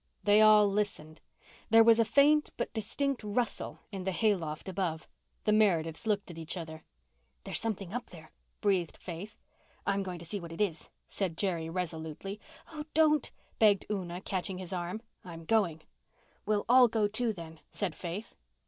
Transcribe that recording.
They all listened. There was a faint but distinct rustle in the hayloft above. The Merediths looked at each other. "There's something up there," breathed Faith. "I'm going up to see what it is," said Jerry resolutely. "Oh, don't," begged Una, catching his arm. "I'm going." "We'll all go, too, then," said Faith.